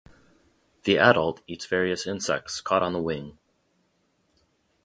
The adult eats various insects, caught on the wing.